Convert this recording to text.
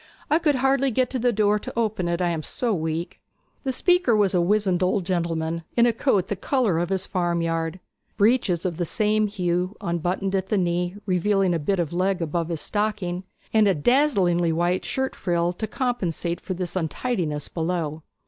'I could hardly get to the door to open it, I am so weak.' The speaker was a wizened old gentleman, in a coat the colour of his farmyard, breeches of the same hue, unbuttoned at the knees, revealing a bit of leg above his stocking and a dazzlingly white shirt frill to compensate for this untidiness below.